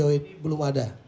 sampai sejauh ini belum ada